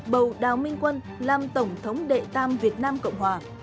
trưng quân làm tổng thống đệ tam việt nam cộng hòa